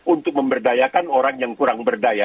untuk memberdayakan orang yang kurang berdaya